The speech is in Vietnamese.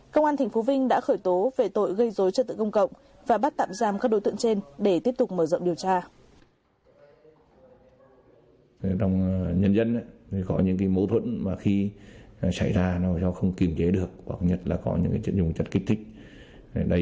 công an tp vinh đã khởi tố về tội gây dối trật tự công cộng và bắt tạm giam các đối tượng trên để tiếp tục mở rộng điều tra